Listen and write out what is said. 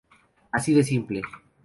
Así de simple.